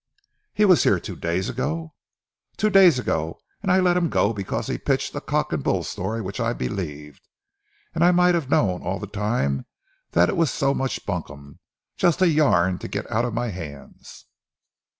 "He was here two days ago?" "Two days ago and I let him go because he pitched a cock and bull story which I believed! And I might have known all the time that it was so much bunkum, just a yarn to get out of my hands.